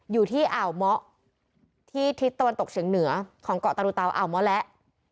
อยู่ที่อ่าวเมาะที่ทิศตะวันตกเฉียงเหนือของเกาะตรุเตาอ่าวเมาะและ